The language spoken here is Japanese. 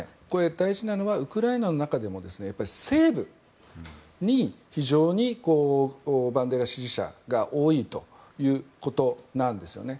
大事なのはウクライナの中でも西部に、非常にバンデラ支持者が多いということなんですよね。